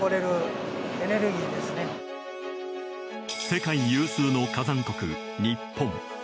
世界有数の火山国・日本。